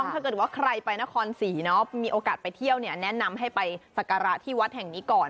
ถ้าเกิดว่าใครไปนครศรีมีโอกาสไปเที่ยวเนี่ยแนะนำให้ไปสักการะที่วัดแห่งนี้ก่อน